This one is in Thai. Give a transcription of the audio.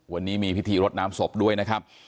วันนี้มีพิธีรดน้ำศพด้วยนะครับ